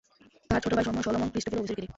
তার ছোট ভাই সলোমন ক্রিস্টোফেল ওবেইসেকেরে।